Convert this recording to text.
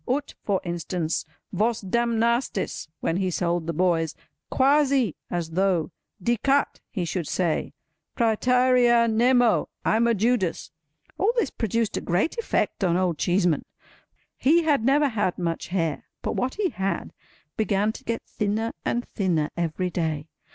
Ut—for instance, Vos damnastis—when he sold the boys. Quasi—as though, dicat—he should say, Pretærea nemo—I'm a Judas! All this produced a great effect on Old Cheeseman. He had never had much hair; but what he had, began to get thinner and thinner every day.